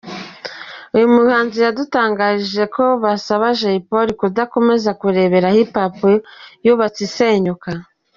Uyu muhanzi yadutangarije ko basaba Jay Polly kudakomeza kurebera Hip Hop yubatse isenyuka.